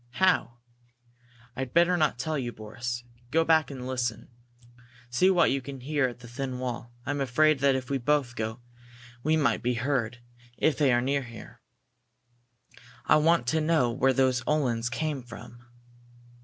"How?" "I'd better not tell you, Boris. Go back and listen see what you can hear at the thin wall. I'm afraid that if we both go we might be heard, if they are near there. I want to know where those Uhlans come from."